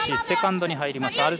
ＲＯＣセカンドに入ります。